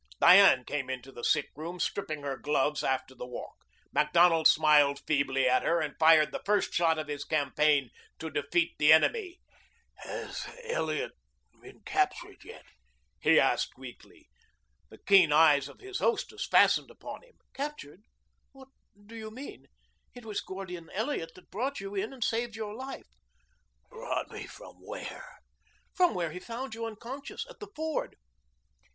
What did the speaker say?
Diane came into the sick room stripping her gloves after the walk. Macdonald smiled feebly at her and fired the first shot of his campaign to defeat the enemy. "Has Elliot been captured yet?" he asked weakly. The keen eyes of his hostess fastened upon him. "Captured! What do you mean? It was Gordon Elliot that brought you in and saved your life." "Brought me from where?" "From where he found you unconscious at the ford."